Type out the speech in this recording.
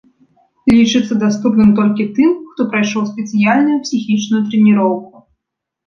Лічыцца даступным толькі тым, хто прайшоў спецыяльную псіхічную трэніроўку.